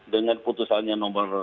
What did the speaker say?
dengan putusannya nomor tiga belas